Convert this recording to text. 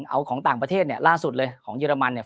เอาของต่างประเทศเนี่ยล่าสุดเลยของเยอรมันเนี่ย